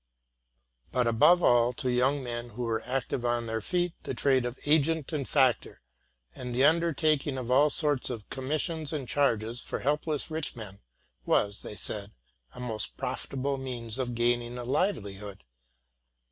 But above all, to young men who were active on their feet, the trade of agent and factor, and the undertaking of all sorts of commissions and charges for helpless rich men was, they said, a most profitable means of gaining a livelihood.